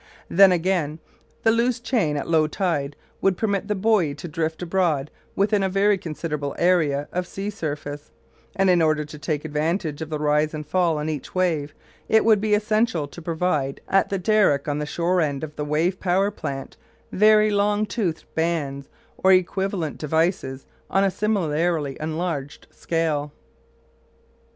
Then, again, the loose chain at low tide would permit the buoy to drift abroad within a very considerable area of sea surface, and in order to take advantage of the rise and fall on each wave it would be essential to provide at the derrick on the shore end of the wave power plant very long toothed bands or equivalent devices on a similarly enlarged scale.